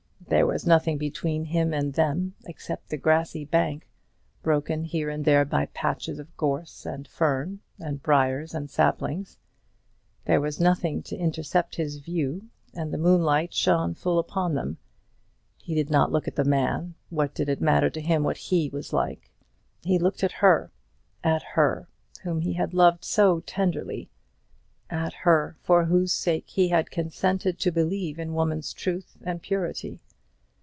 There was nothing between him and them except the grassy bank, broken here and there by patches of gorse and fern, and briers and saplings; there was nothing to intercept his view, and the moonlight shone full upon them. He did not look at the man. What did it matter to him what he was like? He looked at her at her whom he had loved so tenderly at her for whose sake he had consented to believe in woman's truth and purity.